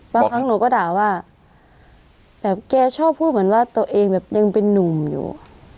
บางครั้งหนูก็ด่าว่าแบบแกชอบพูดเหมือนว่าตัวเองแบบยังเป็นนุ่มอยู่